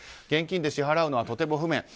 現金で支払うのはとても不便。